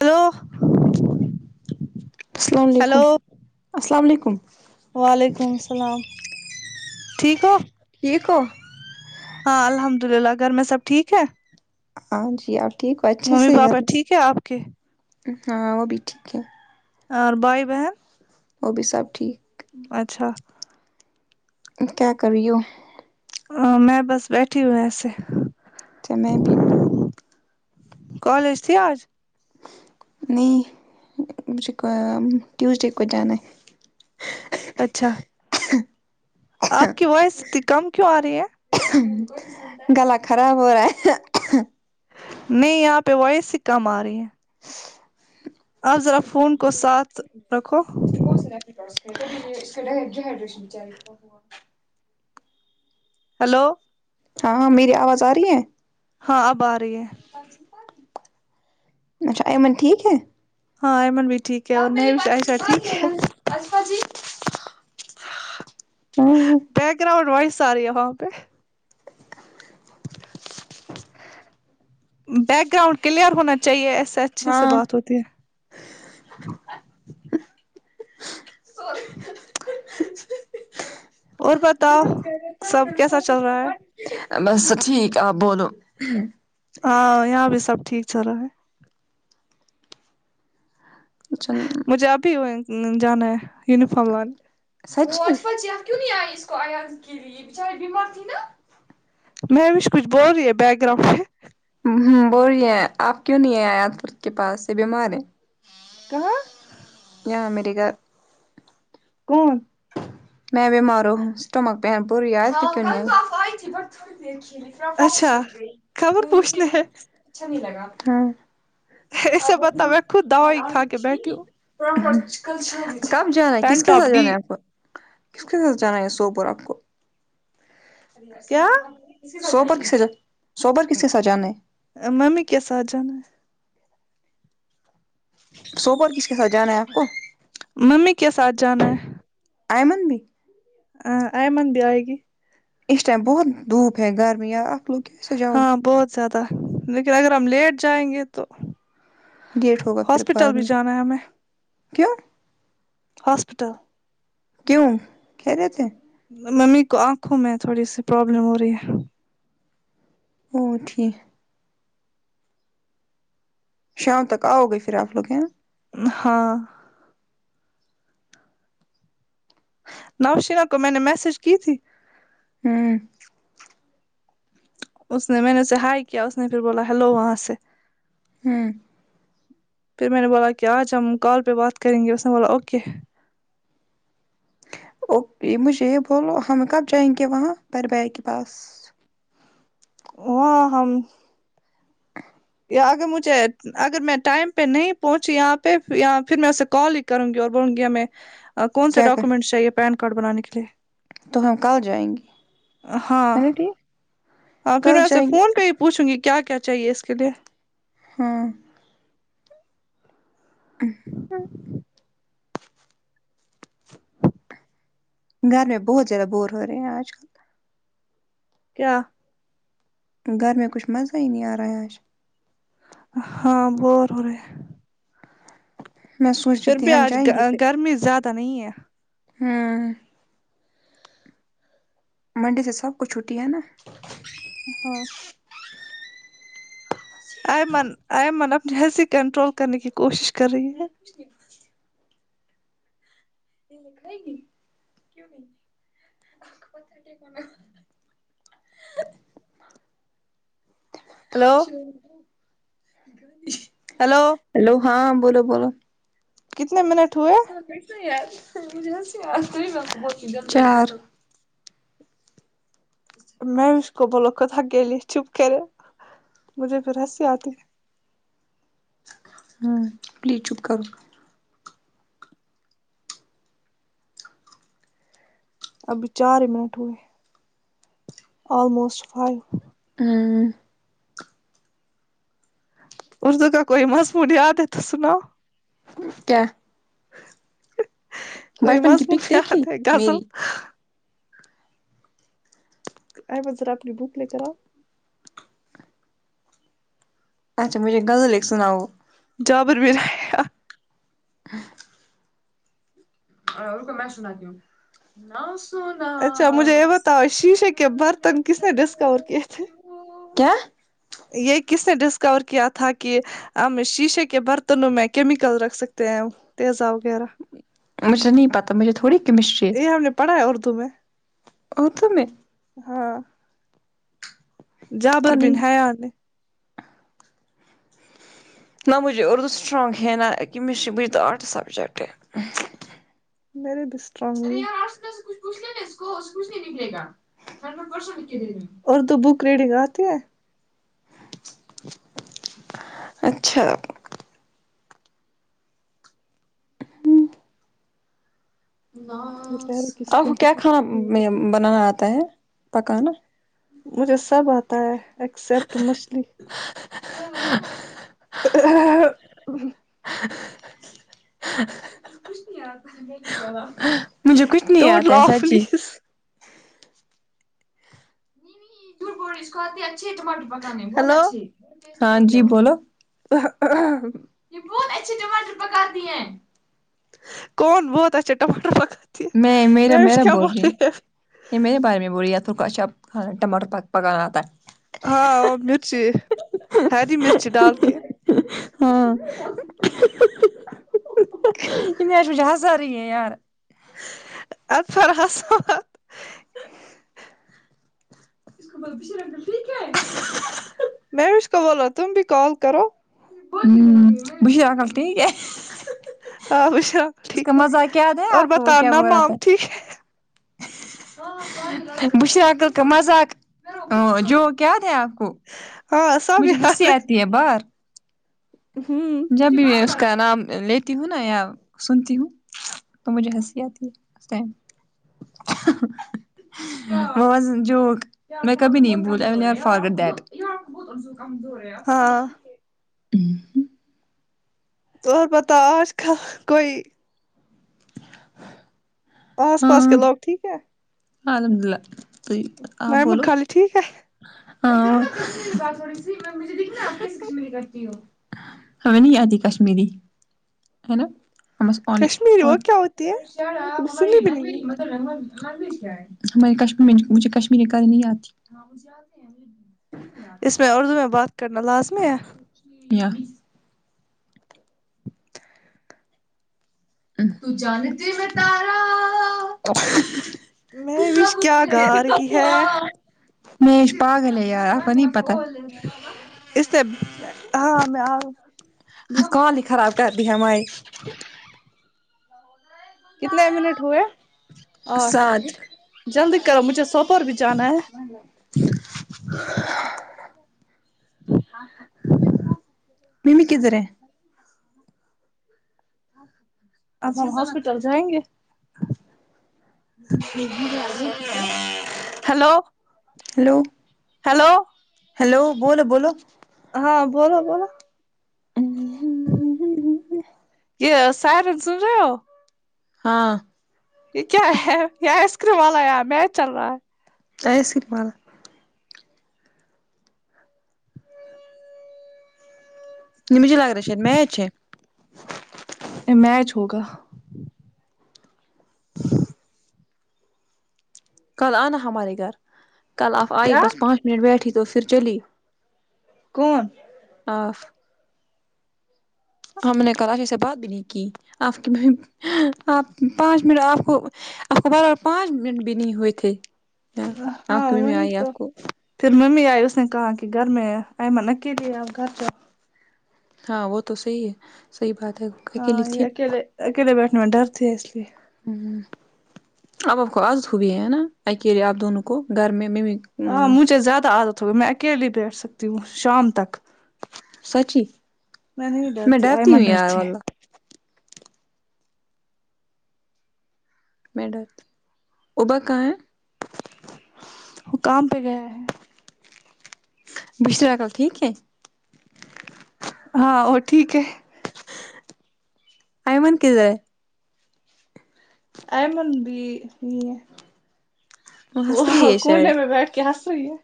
hello السلام علیکم السلام علیکم وعلیکم السلام ٹھیک ہو ٹھیک ہو ہاں الحمد للہ گھر میں سب ٹھیک ہے ہاں جی آپ ٹھیک ہو اچھے ممی سے ہی پاپا کرنے ٹھیک ہے آپ کے سے ہاں وہ بھی ٹھیک ہے اور بھائی بہن وہ بھی سب ٹھیک اچھا اب کیا کری ہو ا میں بس بیٹھی ہوں ایسے تو میں بھی کالج تھی آج نہیں مجھے کو ٹیوزڈے کو جانا ہے اچھا آپ کی وائس اتنی کم کیوں آ رہی ہے گلا خراب ہو رہا ہے نہیں یہاں پہ وائس ہی کم آ رہی ہے سے آپ ذرا فون کو ساتھ رکھو [unintelligible] بہت سائڈریشن ہوا ہلو ہاں ہاں میری آواز آ رہی ہے ہاں اب آ رہی ہے اچھا ایمن ٹھیک ہے ہاں ایمن بھی ٹھیک ہے اور میں بھی شائشہ ٹھیک ہے بس باجی ہاں بیک گراؤنڈ وائز آرہی ہے وہاں پہ [inaudible] بیک گراؤنڈ کلیئر ہونا چاہیے ایسے اچھے سے ہاں بات ہوتی ہے اور بتاؤ سب کیسا چل رہا ہے بس ٹھیک آپ بولو ہاں یہاں بھی سب ٹھیک چل رہا ہے اچھا مجھے ابھی وزنل جانا ہے یونیفارم لانے سچ میں کیوں نہیں آئی اس کو عیادت کے لیے چے بیمار تھی نا مہوش کچھ بول رہی ہے بیک گراؤنڈ پہ ہان بول رہے ہیں آپ کیوں نہیں ہے آیات فرد کے پاس یہ بیمار ہے کہاں یہاں میرے گھر کون میںی بیمار ہوں سٹمک پین پوری عیادت کو کیوں نہی آے اتفاق سے اچھا چلی گئی خبر وہ مجھے پوچھنے ہے اچھا نہیں لگا ہاں ایسے پتا میں خود دوائی کھا کے بیٹھی ہوں کب جانا ہے کس پین کے ٹاپ ساتھ ڈی جانا ہے آپ کو کس ک ساتھ جانا یہ سو پر آپ کو کیا سوبا کس کے ساتھ سوبر کس کے ساتھ جانا ہے ا ممی کے ساتھ جانا سوب اور کس کے ساتھ جانا ہے آپ کو ممی کے ساتھ جانا ہے ایمن بھی ہاں ایمن بھی آئے گی اس ٹائم بہت دھوپ ہے گرمیاں اب ہاں بہت زیادہ لیکن اگر ہم لیٹ جائیں گے تو گے لیٹ ہوگا پھر ہاسپٹل بعد بھی میں جانا ہے ہمیں کیوں ہاسپٹل کیوں خیریت تھے ممی کو آنکھوں میں تھوڑی سی پرابلم ہو رہی ہے اوں ٹھیک شام تک آؤگے پھر آپ لوگ ہیاں ہاں نوشینہ کو میں نے میسج کی تھی ہمم اس نے میں نے اسے ہائے کیا اس نے پھر بولا ہلو وہاں سے ہوں پھر میں نے بولا کہ آج ہم کال پہ بات کریں گے اس نے بولا اوکے اوکے مجھے یہ بولو ہم کب جائیں گے وہاں پرربیا کے پاس وہ ہم اگر مجھے اگر میں ٹائم پہ نہیں پہنچی یہاں پہ اں پھر میں اسے کال کروں گی اور بولوں گی ہمیں کون سے کیا کہ ڈاکومنٹس چاہیے پین کارڈ بنانے کے لیے تو ہم کل جائیں گے ہاں ہے نا ٹھیک ہاں پھر کل ایسے جائیں گے فون پہ ہی پوچھوں گی کیا کیا چاہیے اس کے لیے ہاں گھر میں بہت زیادہ بور ہو رہے ہیں آج کیا گھر میں کچھ مزہ ہی نہیں آ رہا ہے آج ہاں بور ہو رہا ہے میں سوچ رہی بھی تھی ہم آج جائیں گے کہیں گرمی زیادہ نہیں ہے ہاں منڈے سے سب کو چھٹی ہے نا ہاں ایئمن ایئمن اپنی ہنسی کنٹرول کرنے کی کوشش کر رہی ہے جی یہ لکھائے گی کیوں نہیں آپ [unintelligible] ہیلو [unintelligible] ہیلو ہیلو ہاں بولو بولو کتنے منٹ ہوئے [unintelligible] چار میں اس کو بولو خود اکیلیے چپ کرے مجھے پھر ہنسی آتی ہے ہوں پلیز چپ کرو ابھی چار منٹ ہوئے آلمسٹ فائیو ہمم اردو کا کوئی مضمون یاد ہے تو سناؤ کیا کوئی بچپن کی مضمون پک یاد دیکھی ہے غزل میری احمد ذرا اپنی بک لے کر آؤ اچھا مجھے غزل ایک سناؤ جابر بھی یر آہ اور رکو میں سناتیوں [unintelligible] ن اچھا مجھے یہ بتاؤ شیشے کے برتن کس نے ڈسکاور کیے تھے کیا یہ کس نے ڈسکور کیا تھا کہ ہم شیشے کے برتنوں میں کیمیکل رکھ سکتے ہیں تیزا وغیرہ مجھے نہیں پتا مجھے تھوڑی کیمسٹری یہ ہم نے پڑھا ہے اردو میں اور تو میں ہاں پتا جابر بن نہیں حیا نے نہ مجھے اردو سٹرانگ نا کمسٹری بھی تو آٹس سجیکٹ میرے ب ارے یار آج تو اسے کچھ پوچھ لا اس کو کچھ نہیں نکل گا ہنڈریڈ پرسینٹ لکھ دے [unintelligible] اردو بک ریڈنگ آتی ہے اچھا یہ ماس پیروں کی آپ کو اسکن کیا کھانا کتنی، بنانا آتا ہے پکانا مجھے سب آتا ہے ایکسپٹ مچھلی ا مجھے کچھ نہیں ڈونٹ اتا ہے لاف سچی پلیز جھوٹ بول رہی اس کو اچھے ٹماٹر پکانے بہت ہیلو اچھی ہاں جی بولو ہ ہ ہم یہ بہت اچھے ٹماٹر پکاتی ہے کون بہت اچھا ٹماٹر پک میں میرا میرا بول رہی ہے یہ میرے بارے میں بول [unintelligible] کھانا ٹماٹر پ پکانا آتا ہے ہاں مرچی ہری مرچی ڈال کے [unintelligible] [unintelligible] [unintelligible] [unintelligible] میںوش کا بولا تم بھی کال کرو ہوں بش انکل ٹھیک ہے آو بشرا اس ٹھیک کا ہے مذاق یاد ہے اور آپ بتانا موم ٹھیک ہے بشرہ عقل کا مذاق جو یاد ہے آپ کو ہے ہاں سب مجھے یاد ہنسی آتی ہے باہر ہوں جب بھی اس کا نام لیتی ہوں نا یا سنتی ہوں تو مجھے ہنسی آتی ہے اس ٹم و و جک میں کبھی نہیں بول [unintelligible] فارگٹ دیٹ بہت کمزور ہے آپ ہاں [unintelligible] اور بتاو آج کا کوئی ہ آس پاس کے لوگ ٹھیک ہے ہاں الحمد للہ تو آپ میں مٹ بولو خالہ ٹھیک ہے ہاں [unintelligible] ہم نہیں یاتی کشمیری ہے نا ہم اس پانی کشمیری اور وہ کیا ہوتی ہے کبھی سنی بھی نہیں ہے میں کشمر مجھے کشمیری کرنے نہیں آتی ہاں وہ جاہتے ہیں اس میں اردو میں بات کرنا لازمی ہے یعنی تو جانتی میں تارا میں وش سب کیا بے گا رہی ہے وفا مش پاگلے یار آپ نہیں پتہ اس سے ہاں میں ارو [unintelligible] کتنے منٹ ہوئے آٹھ ساتھ جلدی کرو مجھے سوپ اور بھی جانا ہے ممی کدھر ہے اب ہم ہاسپٹل جائیں گے ہیلو ہیلو ہیلو ہیلو بولو بولو ہاں بولو بولو یہ سرن سن رہے ہو ہاں یہ کیا ہے یہ آئس کریم والا مچ چل رہا ہے تہذب والا نہیں مجھے لگ رہا ہے شاید میچ ہے ا میچ ہوگا کل آنا ہمارے گھر کل آپ آئی کیا بس پانچ منٹ بیٹھی تو پھر چلی کون آف ہم نے [unintelligible] سے بات بھی نہیں کی آپ کی آپ پانچ منٹ آپ کو آپ کو بارابر پانچ منٹ بھی نہیں ہوئے تھے آپ کی ممی وہیں آئی تو آپ کو پھر ممی آئی اس نے کہا کہ گھر میں ایمن اکیلی آب گھر چل ہاں وہ تو صحیح ہے صحیح بات ہے ہاں اکیلی یہ تھی اکیلے اکیلے بیٹھنے میں ڈرتی اس لیے ہ اب آ اپ کوو عادت ہبی ہے نا اکیلے آپ دونوں کو گھر میں ممی ہاں مجھے زیادہ عادت ہوگی میں اکیلیے بیٹھ سکتی ہوں شام تک سچی میں نہیں میں ڈرتی ہوں آئمن یار ڈرتیہے واللہ میں ڈرتی ابا کہاں ہے ح کاام پہ گیا ہے بشرا کل ٹھیک ہے ہاں وہ ٹھیک ہے آئمن کدھر ہے ایمن بھی نہیں ہے ہنس رہی وہ ہے کونے شاید میں بیٹھ کیا سوئی ہو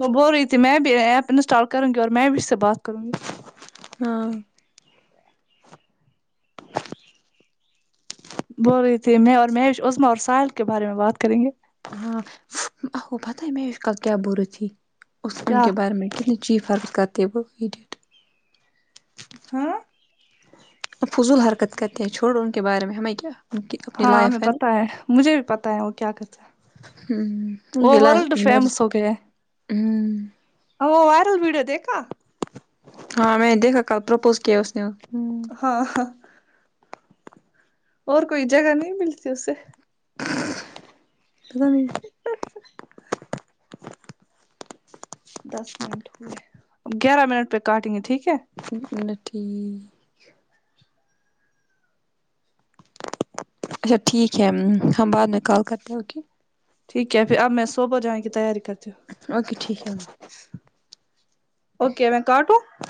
وہ بول رہی تھی میں بھی ایپ انسٹال کروں گی اور میں بھی اس سے بات کروں گی ہاں بول رہی تھی میں اور مہیش عزما اور ساحل کے بارے میں بات کریں گے ہاں او پتہ ہے مش کل کیا بول رہی تھی اس ان کیا کے بارے میں کتنی چیپ حرکت کرتی ہے وہ ایڈیٹ ہاں فضول حرکت کرتے ہیں چھوڑو ان کے بارے میں ہمیں کیا ان کی اپنی ہاں ہمیں لائف پتا نا ہے مجھے بھی پتا ہے وہ کیا کرتا ہے وہ ہمم ورلڈ فیمس [unintelligible] ہمم ا وہ وائرل وڈیو دیکھا ہاں میں نے دیکھا کل پرپوز کیا اس نے ہاں ہاں اور کوئی جگہ نہیں ملتی اسے پتا نہیں دس منٹ ہوئے گیارہ منٹ پہ کاٹیں گے ٹھیک ہے [unintelligible] اچھا ٹھیک ہے ہم بعد میں کال کرتے اوکے ٹھیک ہے پھر اب میں صوبح جانے کی تیاری کرتی ہوں اوکے ٹھیک ہے اوکے میں کاٹوں